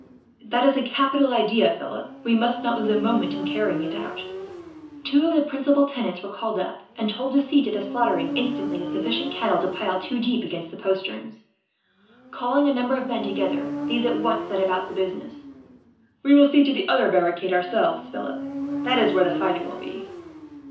"That is a capital idea, Philip. We will not lose a moment in carrying it out." Two of the principal tenants were called up, and told to see to the slaughtering, instantly, of sufficient cattle to pile two deep against the posterns. Calling a number of men together, these at once set about the business. "We will see to the other barricade ourselves, Philip. That is where the fighting will be."